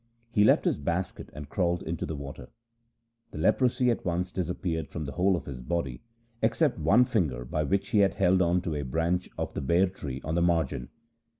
He left his basket and crawled into the water. The leprosy at once dis appeared from the whole of his body except one finger by which he had held on to a branch of the ber tree on the margin.